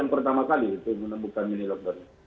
ini pertama kali menemukan mini lockdown